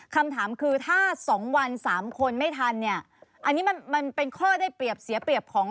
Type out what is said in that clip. คำถามคือถ้าสองวันสามคนไม่ทันเนี่ยอันนี้มันมันเป็นข้อได้เปรียบเสียเปรียบของ